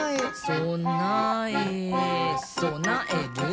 「そなえそなえる！」